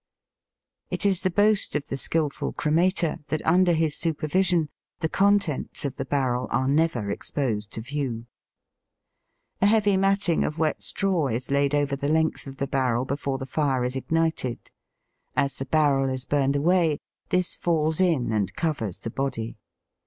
It is the boast of the skilful cremator that under his supervision the con tents of the barrel are never exposed to view. A heavy matting of wet straw is laid over the length of the barrel before the fire is ignited. As the barrel is burned away this falls in and covers the body.